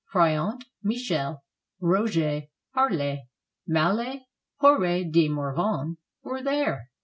Friant, Michel, Roguet, Harlet, Mallet, Poret de Morvan, were there.